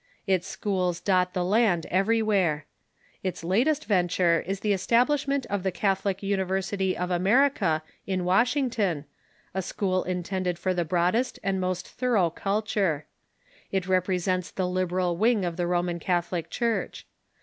Its schools dot the land every where. Its latest venture is the establishment of Developments ^^^^ Catholic University of America in Washington, a school intended for the broadest and most thor ough culture. It represents the liberal wing of the Roman Catholic Church.